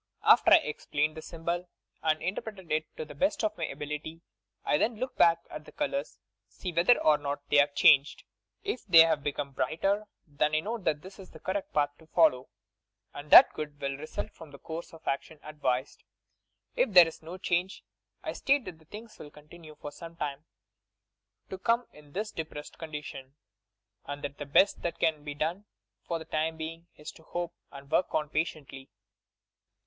After I have explained the symbol, and in terpreted it to the best of ray ability, I then look back at the colours and see whether or not they have changed. If they have become brighter, then I know that this is the correct path to follow, and that good will result from the course of action advised. If there is no change, I state that things will continue for some time to come in this depressed condition, and that the best that can be done for the time being, is to hope and work on patiently.